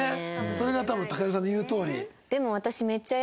それが多分ＴＡＫＡＨＩＲＯさんの言うとおり。